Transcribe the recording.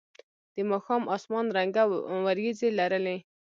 د ماښام اسمان رنګه ورېځې لرلې.